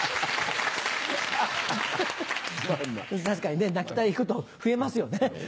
確かにね泣きたいこと増えますよね。